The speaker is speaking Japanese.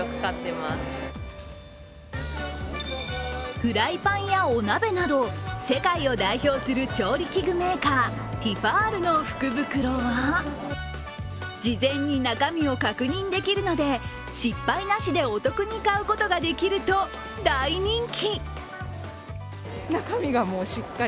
フライパンやお鍋など世界を代表する調理器具メーカー、ティファールの福袋は事前に中身を確認できるので、失敗なしでお得に買うことができると大人気。